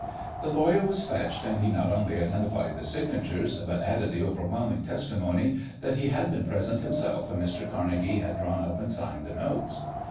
The lawyer was fetched, and he not only identified the signatures, but added the overwhelming testimony that he had been present himself when Mr. Carnegie had drawn up and signed the notes.